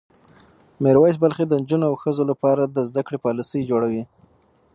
میر ویس بلخي د نجونو او ښځو لپاره د زده کړې پالیسۍ جوړوي.